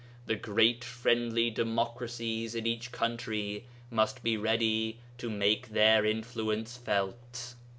The great friendly democracies in each country must be ready to make their influence felt.